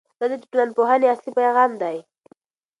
دا د ټولنپوهنې اصلي پیغام دی.